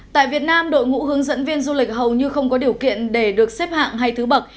tại việt nam đội ngũ hướng dẫn viên du lịch hầu như không có điều kiện để được xếp hạng hay thứ bậc